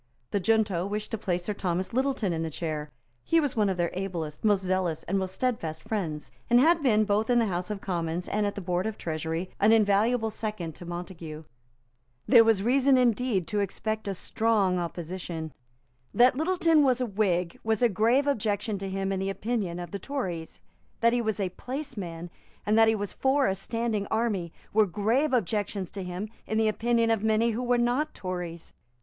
The junto wished to place Sir Thomas Littleton in the chair. He was one of their ablest, most zealous and most steadfast friends; and had been, both in the House of Commons and at the Board of Treasury, an invaluable second to Montague. There was reason indeed to expect a strong opposition. That Littleton was a Whig was a grave objection to him in the opinion of the Tories. That he was a placeman, and that he was for a standing army, were grave objections to him in the opinion of many who were not Tories.